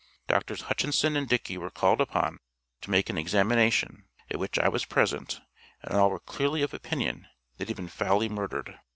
Drs. Hutchinson and Dickey were called upon to make an examination, at which I was present, and all were clearly of opinion that he had been foully murdered.